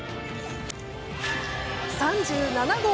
３７号！